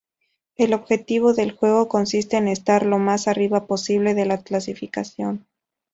El objetivo del juego consiste en estar lo más arriba posible de la clasificación.